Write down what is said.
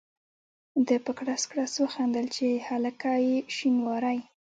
ده په کړس کړس وخندل چې هلکه یې شینواری.